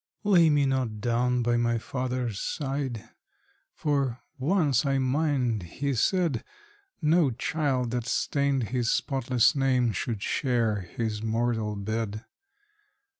Lay me not down by my father's side; for once, I mind, he said No child that stained his spotless name should share his mortal bed.